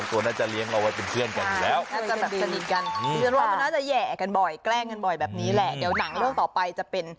แต่เดี๋ยวหนังเรื่องต่อไปจะเป็น